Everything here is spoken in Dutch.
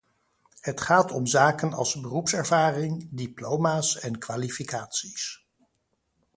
Het gaat om zaken als beroepservaring, diploma's en kwalificaties.